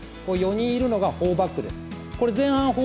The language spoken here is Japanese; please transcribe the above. ４人いるのがフォーバックです。